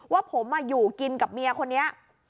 ว่าผมอยู่กินกับเมียคนนี้